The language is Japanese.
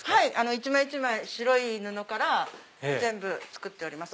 一枚一枚白い布から全部作っております。